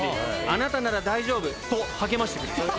「あなたなら大丈夫」と励ましてくれる。